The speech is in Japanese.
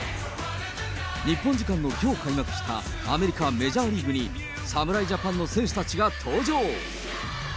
日本時間のきょう開幕した、アメリカメジャーリーグに、侍ジャパンの選手たちが登場。